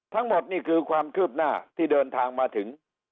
ทั้งหมดนี่คือความคืบหน้าที่เดินทางมาถึง